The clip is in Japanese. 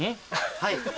はい。